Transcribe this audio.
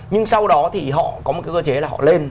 nhưng sau đó thì họ có một cái cơ chế là họ lên